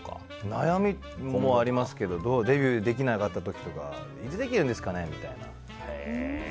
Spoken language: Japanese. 悩みもありますけどデビューできなかった時とかいつできるんですかねみたいな。